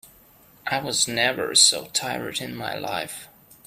I was never so tired in my life.